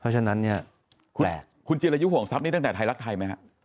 เพราะฉะนั้นเนี่ยคุณจิรายุห่วงทรัพย์นี้ตั้งแต่ไทยรักไทยไหมฮะ